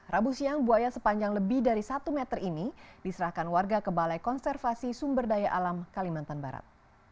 rabu siang buaya sepanjang lebih dari satu meter ini diserahkan warga ke balai konservasi sumber daya alam kalimantan barat